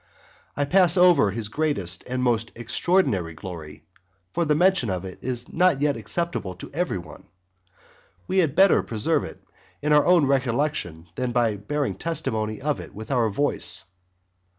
I pass over his greatest and most extraordinary glory; for as the mention of it is not yet acceptable to every one, we had better preserve it in our recollection than by bearing testimony to it with our voice.